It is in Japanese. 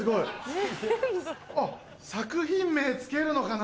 作品名付けるのかな？